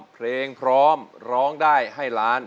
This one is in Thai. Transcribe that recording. เพลงพร้อมร้องได้ให้ล้าน